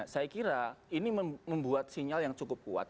saya kira ini membuat sinyal yang cukup kuat